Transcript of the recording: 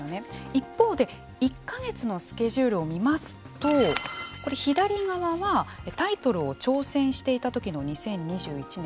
一方で１か月のスケジュールを見ますとこれ、左側はタイトルを挑戦していた時の２０２１年。